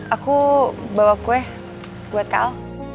aku bawa kue buat kak al